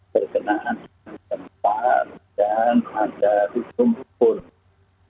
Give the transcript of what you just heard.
terkenaan tempat dan ada isu muda